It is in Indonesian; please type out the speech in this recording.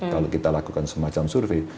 kalau kita lakukan semacam survei